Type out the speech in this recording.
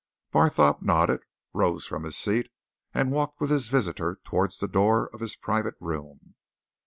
Barthorpe nodded, rose from his seat, and walked with his visitor towards the door of his private room.